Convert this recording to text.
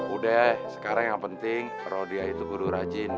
udah sekarang yang penting rodia itu berdua rajin